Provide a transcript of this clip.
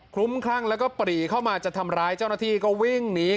ขลุ่มคลั่งแล้วก็ปรีเข้ามาจะทำร้ายเจ้าหน้าธี